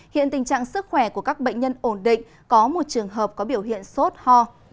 hiện tình trạng sức khỏe của các bệnh nhân ổn định có một trường hợp có biểu hiện sốt ho